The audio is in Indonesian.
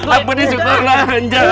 apa di sekolah jang